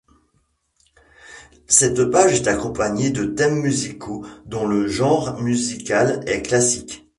Cette page est accompagnée de Thèmes musicaux dont le genre musical est classique.